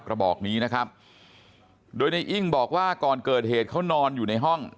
กระบอกนี้นะครับโดยในอิ้งบอกว่าก่อนเกิดเหตุเขานอนอยู่ในห้อง